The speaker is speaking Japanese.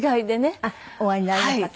お会いになれなかった？